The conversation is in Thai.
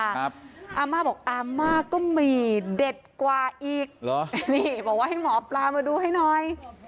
อาม่าบอกอาม่าก็มีเด็ดกว่าอีกเหรอนี่บอกว่าให้หมอปลามาดูให้หน่อย